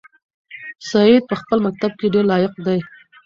سعید په خپل مکتب کې ډېر لایق دی.